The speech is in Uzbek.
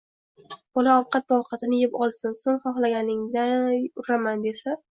bola ovqat-povqatini yeb olsin, so'ng xohlaganingday uraman, —desa: